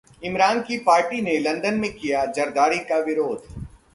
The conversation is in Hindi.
इमरान की पार्टी ने लंदन में किया जरदारी का विरोध